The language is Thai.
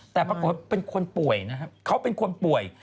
แต่ปรากฏว่าเป็นคนป่วยนะครับเขาเป็นคนป่วย